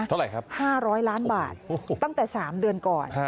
เท่าอะไรครับห้าร้อยล้านบาทตั้งแต่สามเดือนก่อน